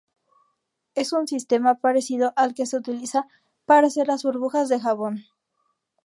Es un sistema parecido al que se utiliza para hacer las burbujas de jabón.